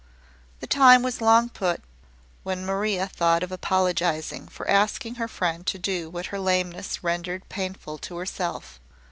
The time was long put when Maria thought of apologising for asking her friend to do what her lameness rendered painful to herself.